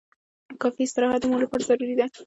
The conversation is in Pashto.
کافي استراحت د مور لپاره ضروري دی.